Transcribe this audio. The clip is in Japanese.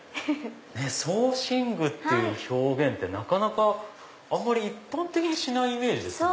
装身具っていう表現ってなかなかあんまり一般的にしないイメージですよね。